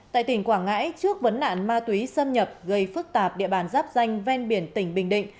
tại tỉnh quảng ngãi trước vấn nạn ma túy xâm nhập gây phức tạp địa bàn giáp danh ven biển tỉnh bình định